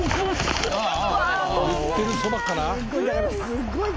すっごい